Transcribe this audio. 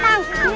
thx lg samu